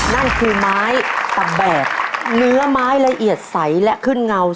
นั่นคือไม้ตะแบกเนื้อไม้ละเอียดใสและขึ้นเงา